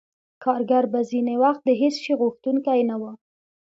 کارګر به ځینې وخت د هېڅ شي غوښتونکی نه وو